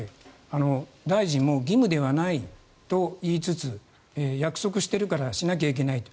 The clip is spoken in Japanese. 大臣も義務ではないと言いつつ約束してるからしなきゃいけないと。